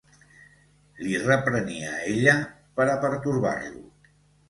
...li reprenia ella pera pertorbar-lo.